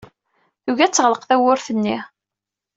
Tugi ad teɣleq tewwurt-nni.